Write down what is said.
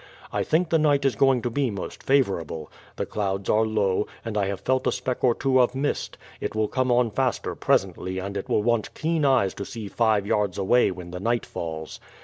I think the night is going to be most favourable. The clouds are low, and I have felt a speck or two of mist; it will come on faster presently, and it will want keen eyes to see five yards away when the night falls.